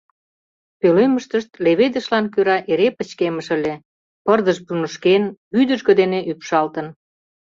Пӧлемыштышт леведышлан кӧра эре пычкемыш ыле, пырдыж пунышкен, вӱдыжгӧ дене ӱпшалтын.